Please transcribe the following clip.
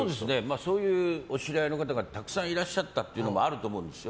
そういうお知り合いの方がたくさんいらっしゃったというのもあると思うんです。